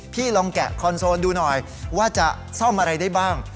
พี่ลองแกะคอนโซลดูหน่อยว่าจะซ่อมอะไรได้บ้าง